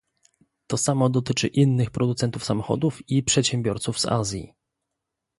To samo dotyczy innych producentów samochodów i przedsiębiorców z Azji